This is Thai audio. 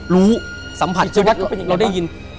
รู้สัมผัสเราได้ยิน